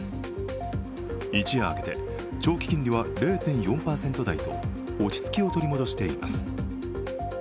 一夜明け、長期金利は０．４％台と落ち着きを取り戻しています。